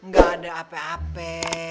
gak ada apa apa